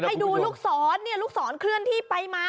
ให้ดูลูกศรเนี่ยลูกศรเคลื่อนที่ไปมา